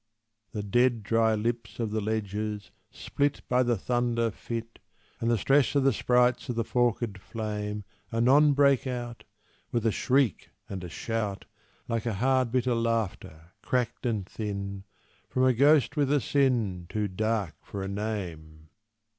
The dead, dry lips Of the ledges, split By the thunder fit And the stress of the sprites of the forked flame, Anon break out, With a shriek and a shout, Like a hard, bitter laughter, cracked and thin, From a ghost with a sin Too dark for a name!